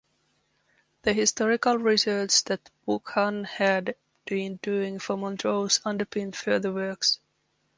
The historical research that Buchan had been doing for "Montrose" underpinned further works.